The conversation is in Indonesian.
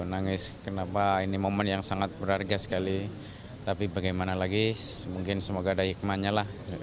nangis kenapa ini momen yang sangat berharga sekali tapi bagaimana lagi mungkin semoga ada hikmahnya lah